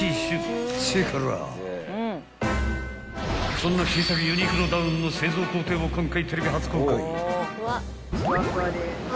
［そんな新作ユニクロダウンの製造工程を今回］